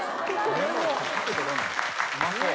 うまそう。